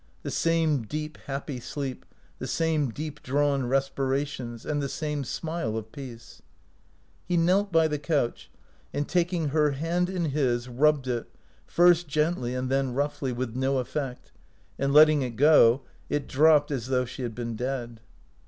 The same deep happy sleep, the same deep drawn respirations, and the same smile of peace. He knelt by the couch, and, tak ing her hand in his, rubbed it, first gently and then roughly, but with no effect, and letting it go, it dropped as though she had been dead.